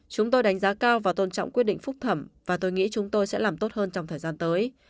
chúng tôi đánh giá cao và tôn trọng quyết định phúc thẩm và tôi nghĩ chúng tôi sẽ làm tốt hơn trong thời gian tới